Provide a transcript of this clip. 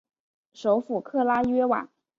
首府克拉约瓦。